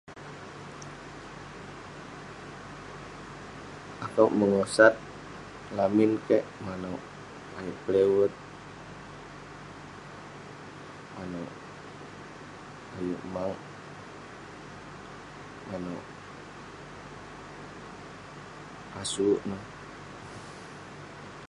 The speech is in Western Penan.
Akouk mengosat lamin kik, manouk ayuk peliwet, manouk ayuk mag, manouk asuk neh.